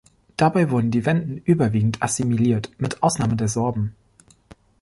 Dabei wurden die Wenden überwiegend assimiliert, mit Ausnahme der Sorben.